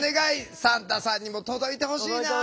サンタさんにも届いてほしいな。